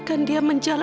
tante aku sih cuma